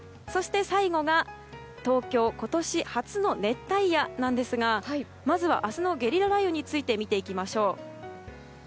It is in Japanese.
最後が、東京今年初の熱帯夜なんですがまずは明日のゲリラ雷雨について見ていきましょう。